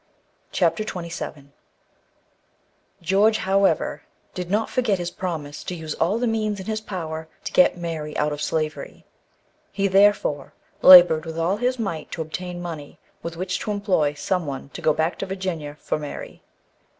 CHAPTER XXVII THE MYSTERY GEORGE, however, did not forget his promise to use all the means in his power to get Mary out of slavery. He, therefore, laboured with all his might to obtain money with which to employ some one to go back to Virginia for Mary.